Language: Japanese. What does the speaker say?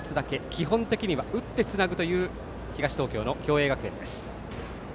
基本的には打ってつなぐという東東京の共栄学園です。